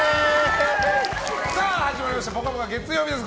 始まりました「ぽかぽか」月曜日です。